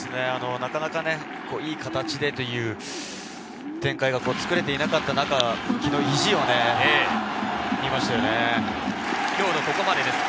なかなかいい形でという展開がつくれていなかった中、昨日、意地を見ましたね。